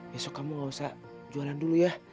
besok kamu gak usah jualan dulu ya